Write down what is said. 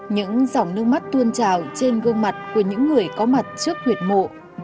những dòng nước mắt tuôn trào trên gương mặt của những người có mặt trước nguyệt mộ